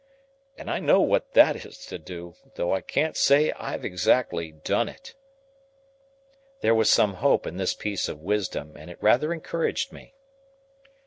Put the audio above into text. And I know what that is to do, though I can't say I've exactly done it." There was some hope in this piece of wisdom, and it rather encouraged me.